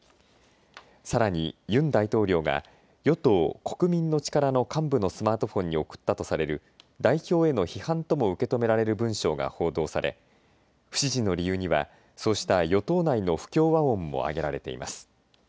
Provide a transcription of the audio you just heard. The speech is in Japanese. さらにユン大統領が与党、国民の力の幹部のスマートフォンに送ったとされる代表への批判とも受け止められる文章が報道され不支持の理由にはそうした与党内の不協和音も挙げられています。